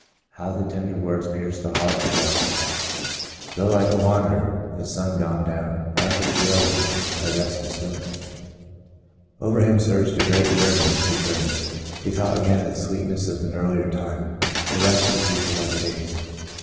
How the tender words pierced the heart of the outcast :" Though like a wanderer The sun gone down ; Darkness be over me, My rest a stone " and over him surged a great yearning to re turn. He thought again on the sweetness of an earlier time — the rest and peace of other days.